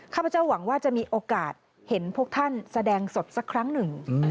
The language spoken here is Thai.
ข้าพเจ้าหวังว่าจะมีโอกาสเห็นพวกท่านแสดงสดสักครั้งหนึ่ง